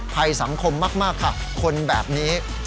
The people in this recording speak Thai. ภัยสังคมมากค่ะคนแบบนี้